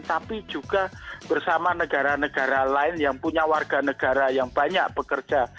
tapi juga bersama negara negara lain yang punya warga negara yang banyak bekerja